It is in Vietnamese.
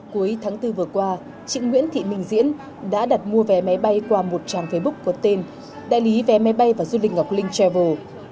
cuối tháng bốn vừa qua chị nguyễn thị minh diễn đã đặt mua vé máy bay qua một trang facebook có tên đại lý vé máy bay và du lịch ngọc linh travel